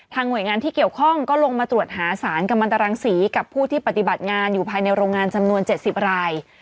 หน่วยงานที่เกี่ยวข้องก็ลงมาตรวจหาสารกำลังตรังศรีกับผู้ที่ปฏิบัติงานอยู่ภายในโรงงานจำนวน๗๐ราย